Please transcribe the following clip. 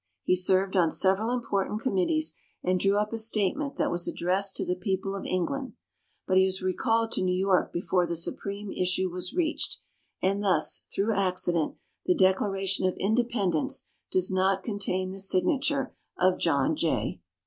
He served on several important committees, and drew up a statement that was addressed to the people of England; but he was recalled to New York before the supreme issue was reached, and thus, through accident, the Declaration of Independence does not contain the signature of John Jay.